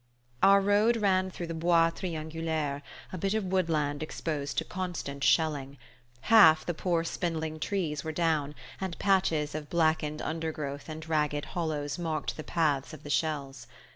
Our road ran through the "Bois Triangulaire," a bit of woodland exposed to constant shelling. Half the poor spindling trees were down, and patches of blackened undergrowth and ragged hollows marked the path of the shells.